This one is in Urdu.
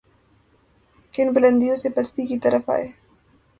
کن بلندیوں سے پستی کی طرف آئے۔